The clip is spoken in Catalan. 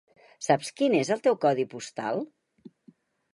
Saps quin és el teu codi postal?